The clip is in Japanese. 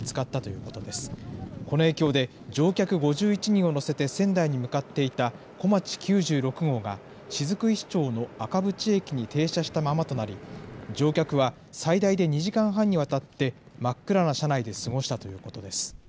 この影響で、乗客５１人を乗せて仙台に向かっていたこまち９６号が、雫石町の赤渕駅に停車したままとなり、乗客は最大で２時間半にわたって、真っ暗な車内で過ごしたということです。